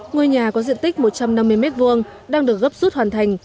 ngôi nhà có diện tích một trăm năm mươi m hai đang được gấp rút hoàn thành